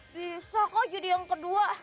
bisa kok jadi yang kedua